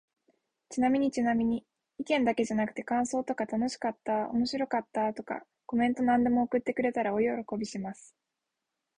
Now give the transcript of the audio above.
ちなみにちなみに、意見だけじゃなくて感想とか楽しかった〜おもろかった〜とか、コメントなんでも送ってくれたら大喜びします。